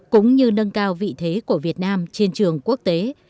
cũng như nâng cao vị thế của việt nam trên trường quốc tế